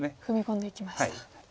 踏み込んでいきました。